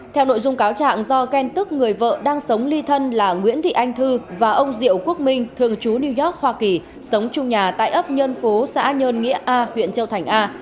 theo nội dung cáo trạng do ghen tức người vợ đang sống ly thân là nguyễn thị anh thư và ông diệu quốc minh thường chú new york hoa kỳ sống trung nhà tại ấp nhơn phố xã nhơn nghĩa a huyện châu thành a